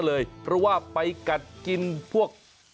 ผัดจนเนื้องูเห่าแห้งนะครับก่อนที่จะไปพักเอาไว้